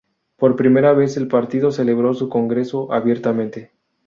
Por primera vez, el partido celebró su congreso abiertamente.